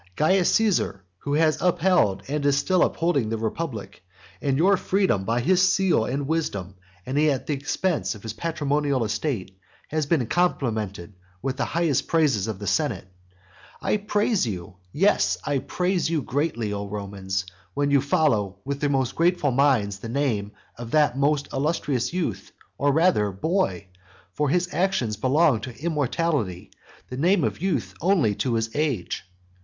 Caius Caesar, who has upheld and who is still upholding the republic and your freedom by his seal and wisdom, and at the expense of his patrimonial estate, has been complimented with the highest praises of the senate. I praise you, yes, I praise you greatly, O Romans, when you follow with the most grateful minds the name of that most illustrious youth, or rather boy; for his actions belong to immortality, the name of youth only to his age.